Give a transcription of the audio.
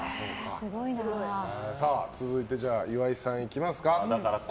続いて、岩井さんいきますか。